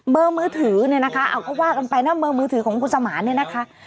มือถือเนี่ยนะคะเอาก็ว่ากันไปนะเบอร์มือถือของคุณสมานเนี่ยนะคะ